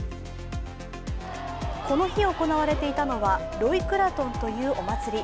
この日、行われていたのはロイクラトンというお祭り。